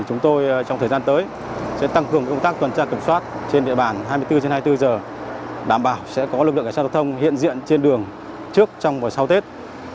chúng tôi trong thời gian tới sẽ tăng cường công tác tuần tra kiểm soát trên địa bàn hai mươi bốn trên hai mươi bốn giờ đảm bảo sẽ có lực lượng cảnh sát giao thông hiện diện trên đường trước trong và sau tết